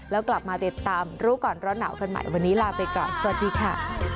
แล้วกลับมาติดตามรู้ก่อนร้อนหนาวกันใหม่วันนี้ลาไปก่อนสวัสดีค่ะ